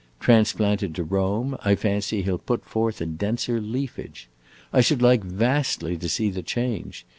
Transplanted to Rome, I fancy he 'll put forth a denser leafage. I should like vastly to see the change.